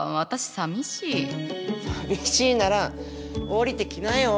さみしいなら降りてきなよ。